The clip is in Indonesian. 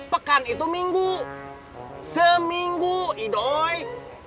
pekan itu minggu seminggu i doi